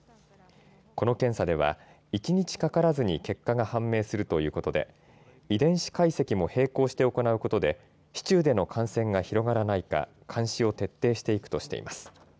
この検査では一日かからずに結果が判明するということで遺伝子解析も並行して行うことで市中での感染が広がらないか監視を徹底していくとしています。